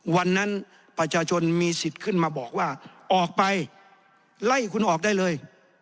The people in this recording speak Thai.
วันนั้นประชาชนมีสิทธิ์ขึ้นมาบอกว่าออกไปไล่คุณออกได้เลย